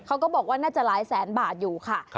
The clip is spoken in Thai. เขาก็บอกว่าน่าจะหลายแสนบาทอยู่ค่ะ